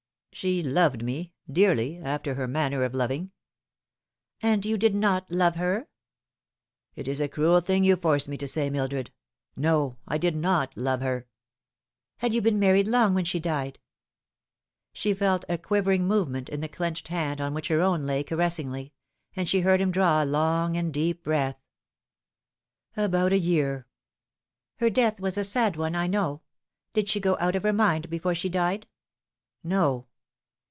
" She loved me dearly after her manner of loving." " And you did not love her ?" "It is a cruel thing you force me to say, Mildred. No, I did not love her." " Had you been married long when she died ?" She felt a quivering movement in the clenched hand on which her own lay caressingly, and she heard him draw a long and deep breath. " About a year." Lifting the Curtain. 133 " Her death was a sad one, I know. Did she go out of her mind before she died ?"" No."